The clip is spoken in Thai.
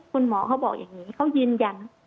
คุณหมอเขาบอกอย่างนี้เขายืนยัน